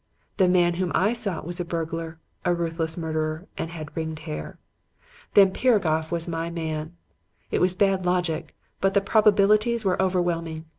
The man whom I sought was a burglar, a ruthless murderer, and had ringed hair. Then Piragoff was my man. It was bad logic, but the probabilities were overwhelming.